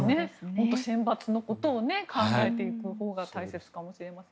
本当に選抜のことを考えていくほうが大切かもしれません。